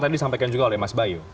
tadi disampaikan juga oleh mas bayu